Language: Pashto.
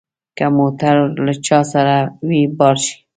که موټر له چا سره وي بار شي.